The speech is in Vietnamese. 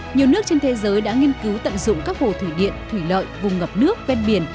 nhiều nước trên thế giới đã nghiên cứu tận dụng các hồ thủy điện thủy lợi vùng ngập nước ven biển